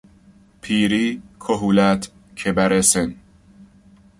پیری، کهولت، کبر سن